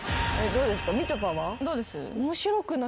どうです？